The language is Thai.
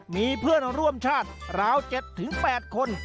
มีเพื่อนร่วมชาติราว๗๘คน